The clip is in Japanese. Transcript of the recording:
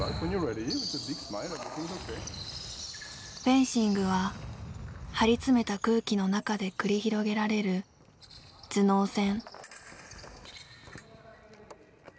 フェンシングは張り詰めた空気の中で繰り広げられる頭脳戦。